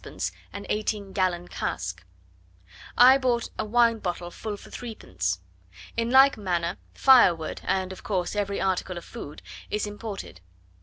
an eighteen gallon cask: I bought a wine bottle full for threepence. In like manner firewood, and of course every article of food, is imported.